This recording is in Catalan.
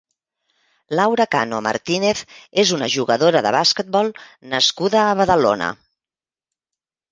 Laura Cano Martínez és una jugadora de basquetbol nascuda a Badalona.